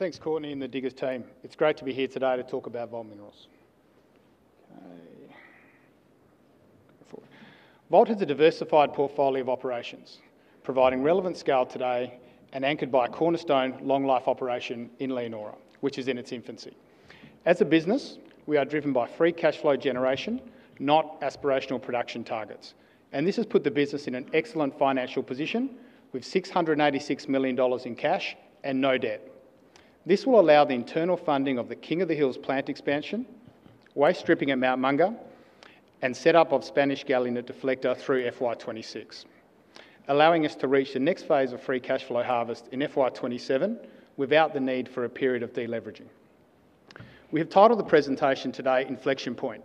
Thanks, Courtney, and the Diggers team. It's great to be here today to talk about Vault Minerals. Vault has a diversified portfolio of operations, providing relevant scale today and anchored by a cornerstone long-life operation in Leonora, which is in its infancy. As a business, we are driven by free cash flow generation, not aspirational production targets, and this has put the business in an excellent financial position with 686 million dollars in cash and no debt. This will allow the internal funding of the King of the Hills plant expansion, waste stripping at Mount Monger, and setup of Spanish Galleon at Deflector through FY 2026, allowing us to reach the next phase of free cash flow harvest in FY 2027 without the need for a period of deleveraging. We have titled the presentation today "Inflection Point,"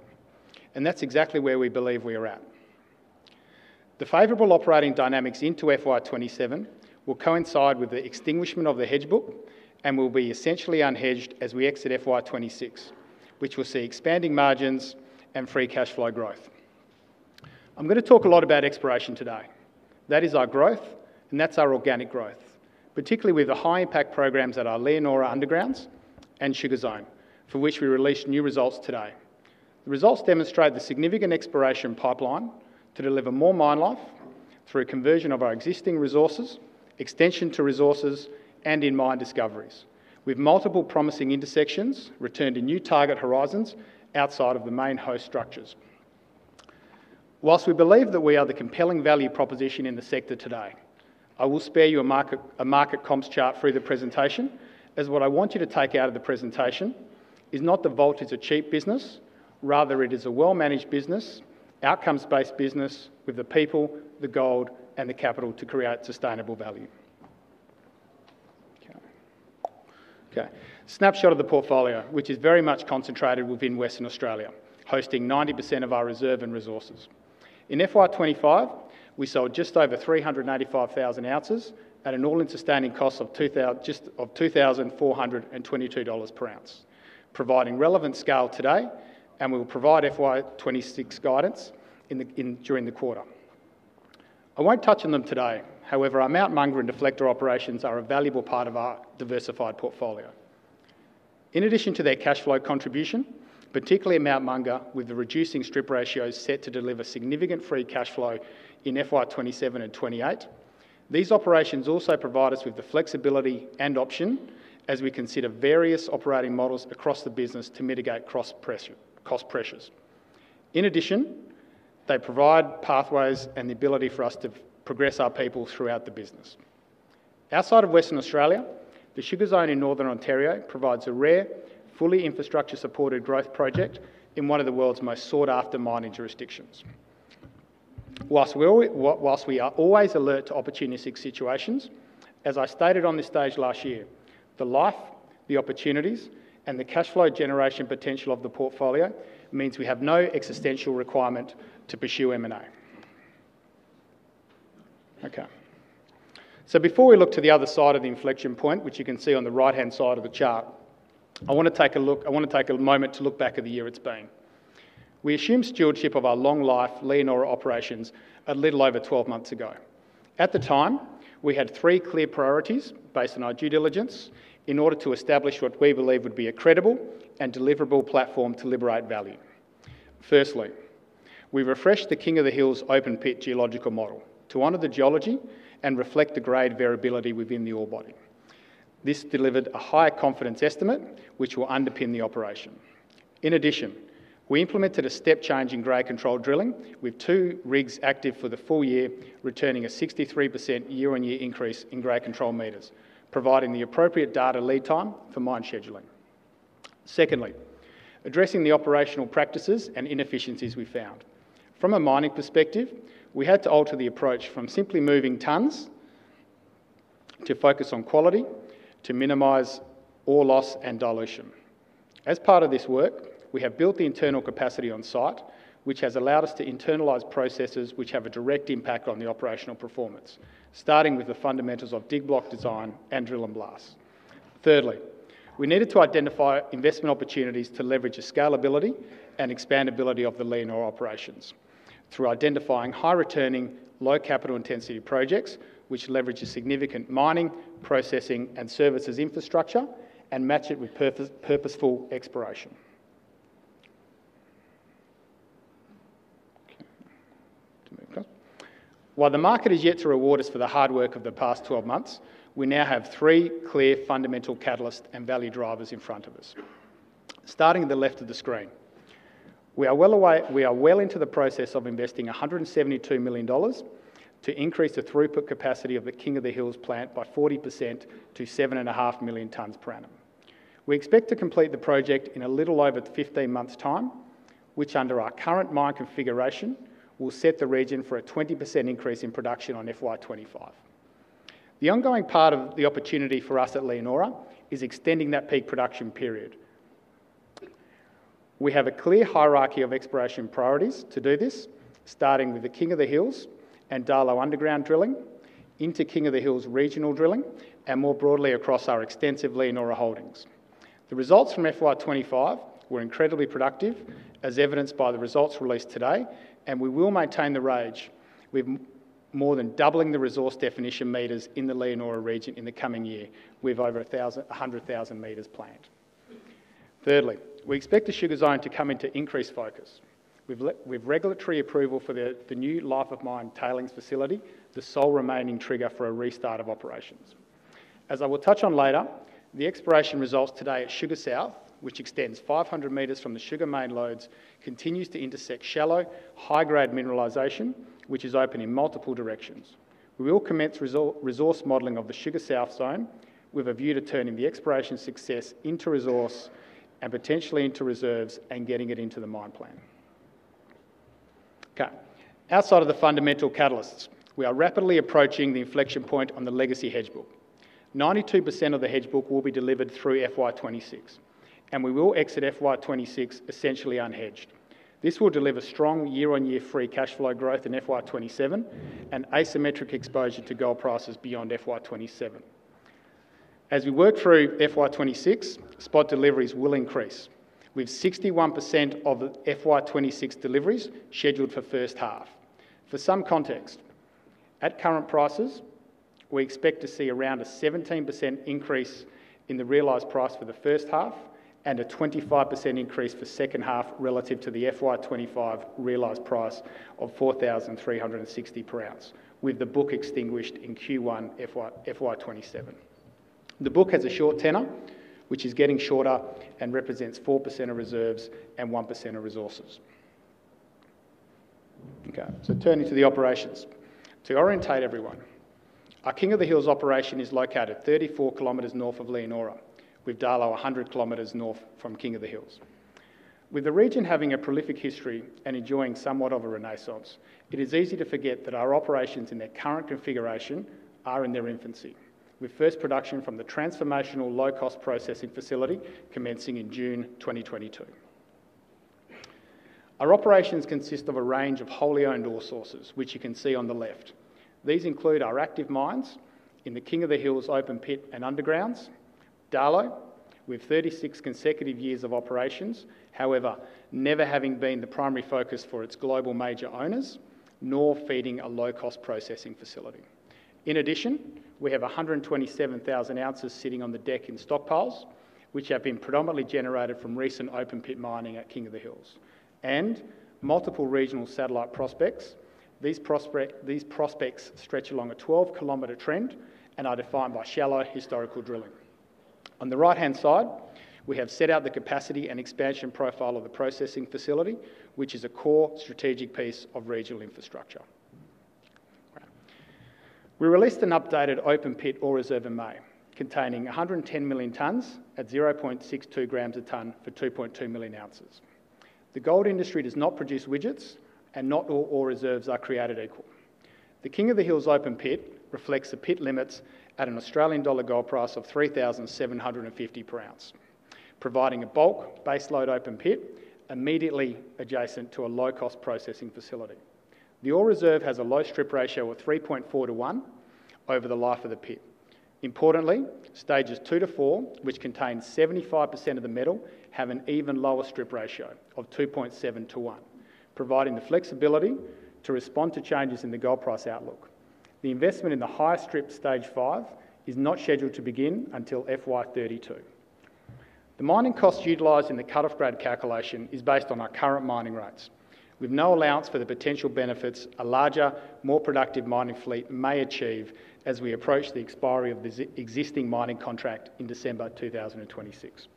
and that's exactly where we believe we are at. The favorable operating dynamics into FY 2027 will coincide with the extinguishment of the hedge book and will be essentially unhedged as we exit FY 2026, which will see expanding margins and free cash flow growth. I'm going to talk a lot about exploration today. That is our growth, and that's our organic growth, particularly with the high-impact programs at our Leonora undergrounds and Sugar Zone, for which we released new results today. The results demonstrate the significant exploration pipeline to deliver more mine life through conversion of our existing resources, extension to resources, and in-mine discoveries, with multiple promising intersections returned in new target horizons outside of the main host structures. Whilst we believe that we are the compelling value proposition in the sector today, I will spare you a market comps chart through the presentation, as what I want you to take out of the presentation is not that Vault is a cheap business; rather, it is a well-managed business, outcomes-based business with the people, the gold, and the capital to create sustainable value. Snapshot of the portfolio, which is very much concentrated within Western Australia, hosting 90% of our reserves and resources. In FY 2025, we sold just over 385,000 ounces at an all-in sustaining cost of 2,422 dollars per ounce, providing relevant scale today, and we will provide FY 2026 guidance during the quarter. I won't touch on them today; however, our Mount Monger and Deflector operations are a valuable part of our diversified portfolio. In addition to their cash flow contribution, particularly at Mount Monger, with the reducing strip ratios set to deliver significant free cash flow in FY 2027 and 2028, these operations also provide us with the flexibility and option as we consider various operating models across the business to mitigate cost pressures. In addition, they provide pathways and the ability for us to progress our people throughout the business. Outside of Western Australia, the Sugar Zone in Northern Ontario provides a rare, fully infrastructure-supported growth project in one of the world's most sought-after mining jurisdictions. Whilst we are always alert to opportunistic situations, as I stated on this stage last year, the life, the opportunities, and the cash flow generation potential of the portfolio means we have no existential requirement to pursue M&A. Before we look to the other side of the inflection point, which you can see on the right-hand side of the chart, I want to take a moment to look back at the year it's been. We assumed stewardship of our long-life Leonora operations a little over 12 months ago. At the time, we had three clear priorities based on our due diligence in order to establish what we believe would be a credible and deliverable platform to liberate value. Firstly, we refreshed the King of the Hills open pit geological model to honor the geology and reflect the grade variability within the ore body. This delivered a high confidence estimate, which will underpin the operation. In addition, we implemented a step-changing grade control drilling with two rigs active for the full year, returning a 63% year-on-year increase in grade control meters, providing the appropriate data lead time for mine scheduling. Secondly, addressing the operational practices and inefficiencies we found. From a mining perspective, we had to alter the approach from simply moving tons to focus on quality to minimize ore loss and dilution. As part of this work, we have built the internal capacity on site, which has allowed us to internalize processes which have a direct impact on the operational performance, starting with the fundamentals of dig block design and drill and blast. Thirdly, we needed to identify investment opportunities to leverage the scalability and expandability of the Leonora operations, through identifying high-returning, low-capital intensity projects which leverage a significant mining, processing, and services infrastructure and match it with purposeful exploration. While the market is yet to reward us for the hard work of the past 12 months, we now have three clear fundamental catalysts and value drivers in front of us. Starting at the left of the screen, we are well into the process of investing 172 million dollars to increase the throughput capacity of the King of the Hills plant by 40% to 7.5 million tons per annum. We expect to complete the project in a little over 15 months' time, which under our current mine configuration will set the region for a 20% increase in production on FY 2025. The ongoing part of the opportunity for us at Leonora is extending that peak production period. We have a clear hierarchy of exploration priorities to do this, starting with the King of the Hills and Darlot Underground drilling into King of the Hills regional drilling and more broadly across our extensive Leonora holdings. The results from FY 2025 were incredibly productive, as evidenced by the results released today, and we will maintain the rage with more than doubling the resource definition meters in the Leonora region in the coming year, with over 100,000 m planned. Thirdly, we expect the Sugar Zone to come into increased focus, with regulatory approval for the new Life of Mine tailings facility, the sole remaining trigger for a restart of operations. As I will touch on later, the exploration results today at Sugar South, which extends 500 m from the Sugar Main lodes, continues to intersect shallow, high-grade mineralization, which is open in multiple directions. We will commence resource modeling of the Sugar South zone with a view to turning the exploration success into resource and potentially into reserves and getting it into the mine plan. Outside of the fundamental catalysts, we are rapidly approaching the inflection point on the legacy hedge book. 92% of the hedge book will be delivered through FY 2026, and we will exit FY 2026 essentially unhedged. This will deliver strong year-on-year free cash flow growth in FY 2027 and asymmetric exposure to gold prices beyond FY 2027. As we work through FY 2026, spot deliveries will increase, with 61% of FY 2026 deliveries scheduled for first half. For some context, at current prices, we expect to see around a 17% increase in the realized price for the first half and a 25% increase for the second half relative to the FY 2025 realized price of 4,360 per ounce, with the hedge book extinguished in Q1 FY 2027. The hedge book has a short tenor, which is getting shorter and represents 4% of reserves and 1% of resources. Turning to the operations, to orientate everyone, our King of the Hills operation is located 34 km north of Leonora, with Darlot 100 km north from King of the Hills. With the region having a prolific history and enjoying somewhat of a renaissance, it is easy to forget that our operations in their current configuration are in their infancy, with first production from the transformational low-cost processing facility commencing in June 2022. Our operations consist of a range of wholly owned ore sources, which you can see on the left. These include our active mines in the King of the Hills open pit and undergrounds, Darlot, with 36 consecutive years of operations, however, never having been the primary focus for its global major owners, nor feeding a low-cost processing facility. In addition, we have 127,000 ounces sitting on the deck in stockpiles, which have been predominantly generated from recent open pit mining at King of the Hills, and multiple regional satellite prospects. These prospects stretch along a 12-kilometer trend and are defined by shallow historical drilling. On the right-hand side, we have set out the capacity and expansion profile of the processing facility, which is a core strategic piece of regional infrastructure. We released an updated open pit ore reserve in May, containing 110 million tons at 0.62 g a ton for 2.2 million ounces. The gold industry does not produce widgets, and not all ore reserves are created equal. The King of the Hills open pit reflects the pit limits at an Australian dollar gold price of 3,750 per ounce, providing a bulk baseload open pit immediately adjacent to a low-cost processing facility. The ore reserve has a low strip ratio of 3.4 to 1 over the life of the pit. Importantly, stages 2 to 4, which contain 75% of the metal, have an even lower strip ratio of 2.7 to 1, providing the flexibility to respond to changes in the gold price outlook. The investment in the highest strip, stage 5, is not scheduled to begin until FY 2032. The mining costs utilized in the cut-off grade calculation are based on our current mining rates. With no allowance for the potential benefits a larger, more productive mining fleet may achieve as we approach the expiry of the existing mining contract in December 2026.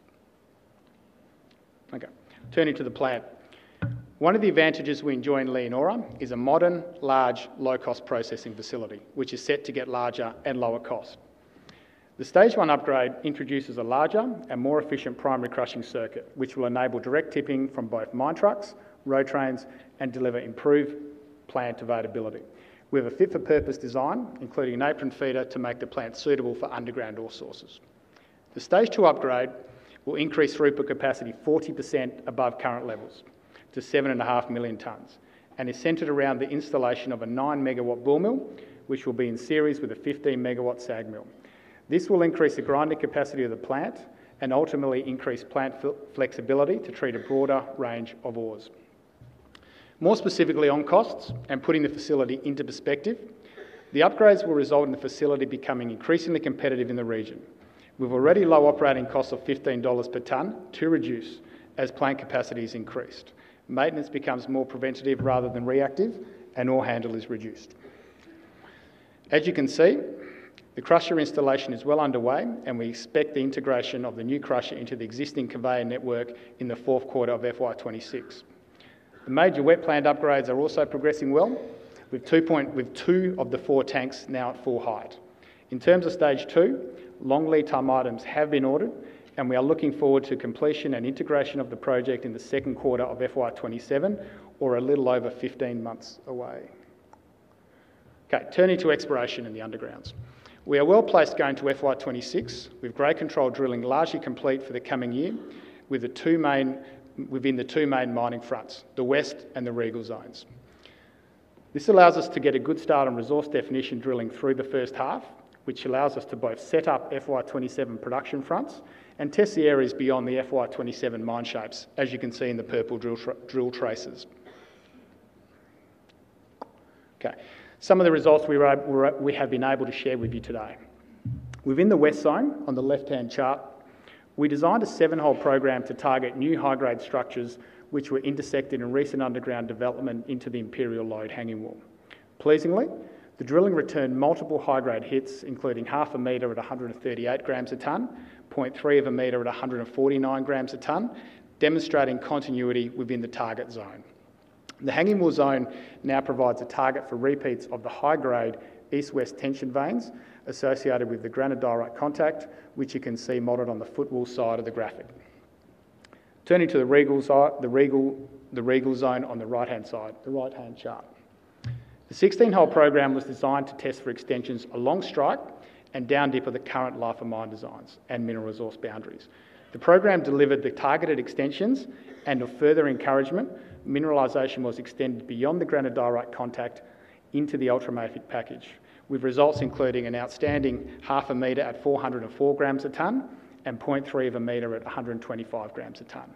Turning to the plant, one of the advantages we enjoy in Leonora is a modern, large, low-cost processing facility, which is set to get larger and lower costs. The stage 1 upgrade introduces a larger and more efficient primary crushing circuit, which will enable direct tipping from both mine trucks, road trains, and deliver improved plant availability, with a fit-for-purpose design, including an apron feeder, to make the plant suitable for underground ore sources. The stage 2 upgrade will increase throughput capacity 40% above current levels to 7.5 million tons and is centered around the installation of a 9 MW ball mill, which will be in series with a 15 MW SAG mill. This will increase the grinding capacity of the plant and ultimately increase plant flexibility to treat a broader range of ores. More specifically, on costs and putting the facility into perspective, the upgrades will result in the facility becoming increasingly competitive in the region, with already low operating costs of 15 dollars per ton to reduce as plant capacity is increased. Maintenance becomes more preventative rather than reactive, and ore handling is reduced. As you can see, the crusher installation is well underway, and we expect the integration of the new crusher into the existing conveyor network in the fourth quarter of FY 2026. The major wet plant upgrades are also progressing well, with two of the four tanks now at full height. In terms of stage 2, long lead time items have been ordered, and we are looking forward to completion and integration of the project in the second quarter of FY 2027, or a little over 15 months away. Turning to exploration in the undergrounds, we are well placed going to FY 2026, with grade control drilling largely complete for the coming year, within the two main mining fronts, the West and the Regal zones. This allows us to get a good start on resource definition drilling through the first half, which allows us to both set up FY 2027 production fronts and test the areas beyond the FY 2027 mine shapes, as you can see in the purple drill traces. Some of the results we have been able to share with you today. Within the west zone, on the left-hand chart, we designed a seven-hole program to target new high-grade structures, which were intersected in recent underground development into the imperial lode hanging wall. Pleasingly, the drilling returned multiple high-grade hits, including 0.5 of a meter at 138 g a ton, 0.3 of a meter at 149 g a ton, demonstrating continuity within the target zone. The hanging wall zone now provides a target for repeats of the high-grade east-west tension veins associated with the granite diorite contact, which you can see modeled on the footwall side of the graphic. Turning to the regal zone on the right-hand chart, the 16-hole program was designed to test for extensions along strike and down dip of the current life of mine designs and mineral resource boundaries. The program delivered the targeted extensions, and with further encouragement, mineralization was extended beyond the granite diorite contact into the ultramafic package, with results including an outstanding 0.5 of a meter at 404 g a ton and 0.3 of a meter at 125 g a ton.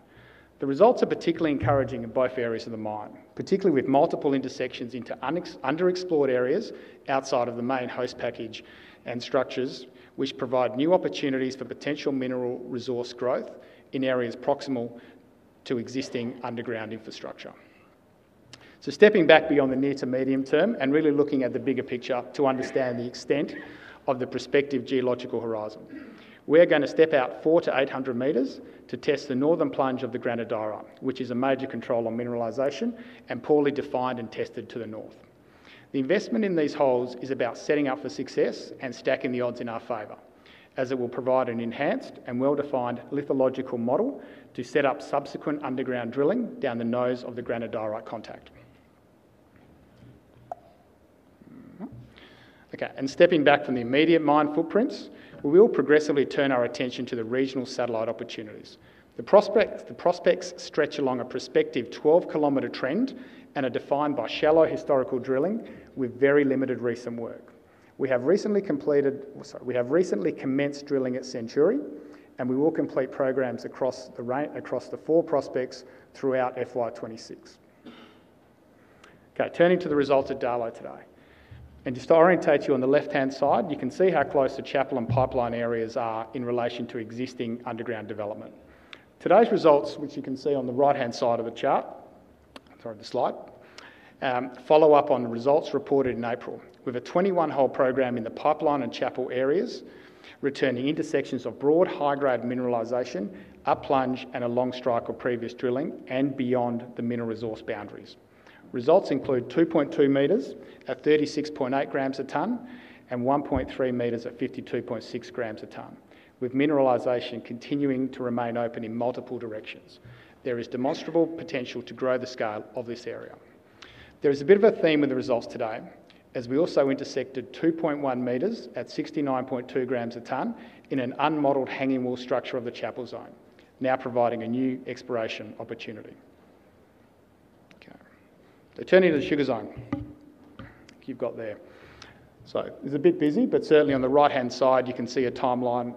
The results are particularly encouraging in both areas of the mine, particularly with multiple intersections into underexplored areas outside of the main host package and structures, which provide new opportunities for potential mineral resource growth in areas proximal to existing underground infrastructure. Stepping back beyond the near to medium term and really looking at the bigger picture to understand the extent of the prospective geological horizon, we are going to step out 400 m-800 m to test the northern plunge of the granite diorite, which is a major control on mineralization and poorly defined and tested to the north. The investment in these holes is about setting up for success and stacking the odds in our favor, as it will provide an enhanced and well-defined lithological model to set up subsequent underground drilling down the nose of the granite diorite contact. Stepping back from the immediate mine footprints, we will progressively turn our attention to the regional satellite opportunities. The prospects stretch along a prospective 12 km trend and are defined by shallow historical drilling with very limited recent work. We have recently commenced drilling at Century, and we will complete programs across the four prospects throughout FY 2026. Turning to the result at Darlot today, and just to orientate you, on the left-hand side, you can see how close the Chapel and Pipeline areas are in relation to existing underground development. Today's results, which you can see on the right-hand side of the chart, or the slide, follow up on the results reported in April, with a 21-hole program in the Pipeline and Chapel areas, returning intersections of broad high-grade mineralization at plunge and along strike of previous drilling and beyond the mineral resource boundaries. Results include 2.2 m at 36.8 g a ton and 1.3 m at 52.6 g a ton, with mineralization continuing to remain open in multiple directions. There is demonstrable potential to grow the scale of this area. There is a bit of a theme in the results today, as we also intersected 2.1 m at 69.2 g a ton in an unmodeled hanging wall structure of the Chapel zone, now providing a new exploration opportunity. Turning to the Sugar Zone, keep going there. It's a bit busy, but certainly on the right-hand side, you can see a timeline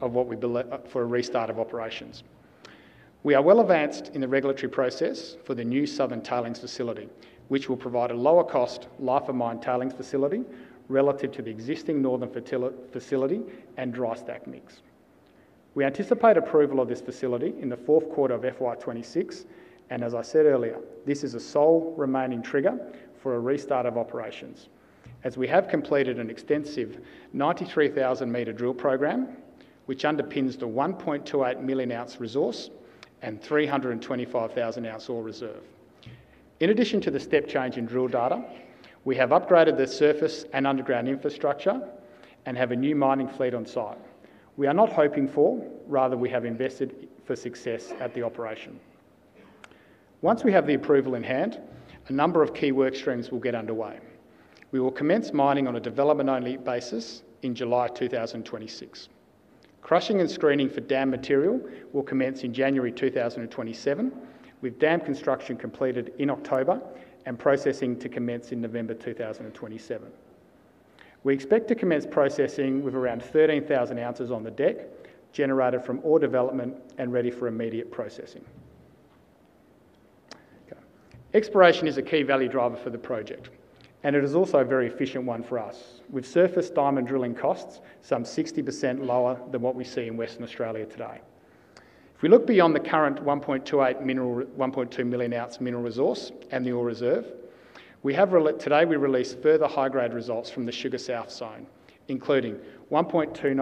of what we believe for a restart of operations. We are well advanced in the regulatory process for the new southern tailings facility, which will provide a lower cost life of mine tailings facility relative to the existing northern facility and dry stack mix. We anticipate approval of this facility in the fourth quarter of FY 2026, and as I said earlier, this is the sole remaining trigger for a restart of operations, as we have completed an extensive 93,000 m drill program, which underpins the 1.28 million ounce resource and 325,000 ounce ore reserve. In addition to the step change in drill data, we have upgraded the surface and underground infrastructure and have a new mining fleet on site. We are not hoping for; rather, we have invested for success at the operation. Once we have the approval in hand, a number of key work streams will get underway. We will commence mining on a development-only basis in July 2026. Crushing and screening for dam material will commence in January 2027, with dam construction completed in October and processing to commence in November 2027. We expect to commence processing with around 13,000 ounces on the deck, generated from ore development and ready for immediate processing. Exploration is a key value driver for the project, and it is also a very efficient one for us, with surface diamond drilling costs some 60% lower than what we see in Western Australia today. If we look beyond the current 1.28 million ounce mineral resource and the ore reserve, we have today released further high-grade results from the Sugar South zone, including 1.29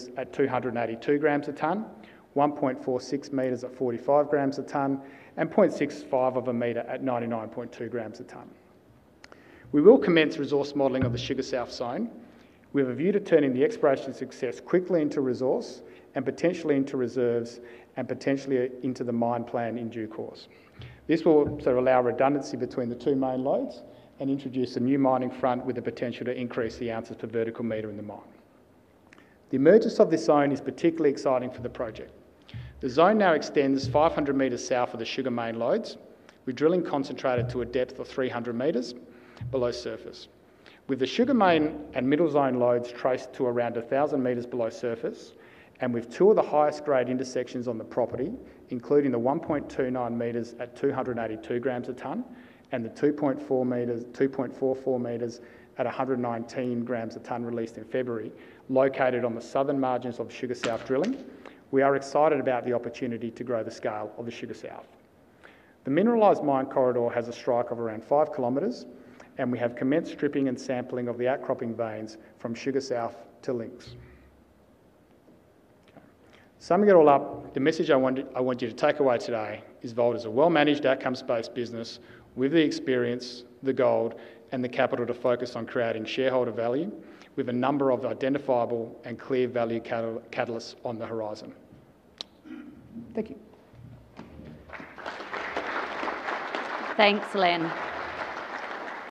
m at 282 g a ton, 1.46 m at 45 g a ton, and 0.65 of a meter at 99.2 g a ton. We will commence resource modeling of the Sugar South zone, with a view to turning the exploration success quickly into resource and potentially into reserves and potentially into the mine plan in due course. This will allow redundancy between the two main lodes and introduce a new mining front with the potential to increase the ounces per vertical meter in the mine. The emergence of this zone is particularly exciting for the project. The zone now extends 500 m south of the Sugar main lodes, with drilling concentrated to a depth of 300 m below surface, with the Sugar main and middle zone lodes traced to around 1,000 m below surface, and with two of the highest grade intersections on the property, including the 1.29 m at 282 g a ton and the 2.44 m at 119 g a ton released in February, located on the southern margins of Sugar South drilling, we are excited about the opportunity to grow the scale of the Sugar South. The mineralized mine corridor has a strike of around five km, and we have commenced stripping and sampling of the outcropping veins from Sugar South to Links. Summing it all up, the message I want you to take away today is Vault Minerals is a well-managed outcomes-based business with the experience, the gold, and the capital to focus on creating shareholder value, with a number of identifiable and clear value catalysts on the horizon. Thank you. Thanks, Len.